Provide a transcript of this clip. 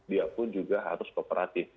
dia pun juga harus kooperatif